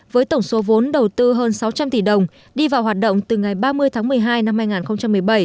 với tổng số vốn đầu tư hơn sáu trăm linh tỷ đồng đi vào hoạt động từ ngày ba mươi tháng một mươi hai năm hai nghìn một mươi bảy